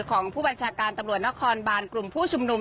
ของผู้บัญชาการตำรวจนครบานกลุ่มผู้ชุมนุม